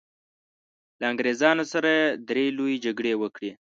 له انګریزانو سره یې درې لويې جګړې وکړې.